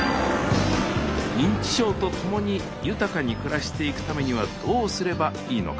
認知症とともに豊かに暮らしていくためにはどうすればいいのか。